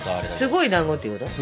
すごいだんごっていうこと？